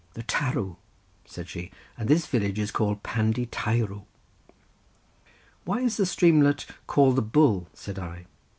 "The Tarw," said she, "and this village is called Pandy Teirw." "Why is the streamlet called the bull?" said I.